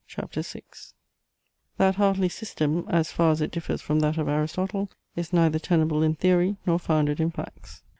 CHAPTER VI That Hartley's system, as far as it differs from that of Aristotle, is neither tenable in theory, nor founded in facts.